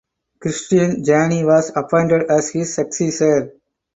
Kristian Jaani was appointed as his successor.